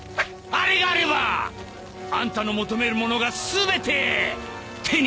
あれがあればあんたの求めるものが全て手に入る。